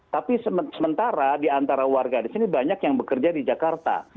tapi sementara di antara warga di sini banyak yang bekerja di jakarta